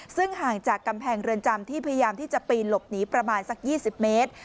ซึ่งห่างจากกำแพงเรือนจำที่พยายามที่จะปีนหลบหนีประมาณสัก๒๐เมตร